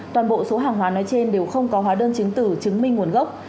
toàn bộ số hàng hóa nói trên đều không có hóa đơn chứng tử chứng minh nguồn gốc